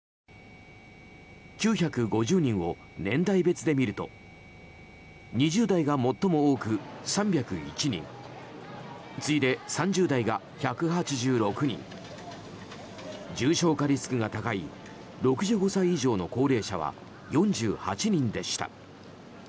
９５０人を年代別で見ると２０代が最も多く３０１人次いで３０代が１８６人重症化リスクが高い６５歳以上の高齢者は４８人でした。